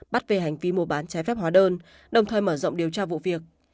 bắt về hành vi mua bán trái phép hóa đơn đồng thời mở rộng điều tra vụ việc